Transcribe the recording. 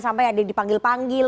sampai ada dipanggil panggil